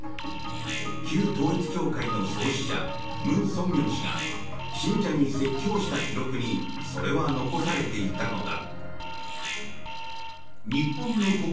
旧統一教会の創始者ムン・ソンミョン氏が信者に説教した記録にそれは残されていたのだ。